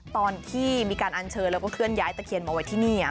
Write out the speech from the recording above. ตอนที่มีการอัญเชิญแล้วก็เคลื่อนย้ายตะเคียนมาไว้ที่นี่